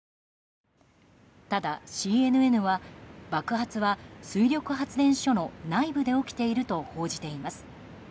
ただ、ＣＮＮは爆発は水力発電所の内部で起きていると報じています。